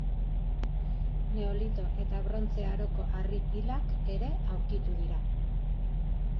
Neolito eta Brontze Aroko harri pilak ere aurkitu dira.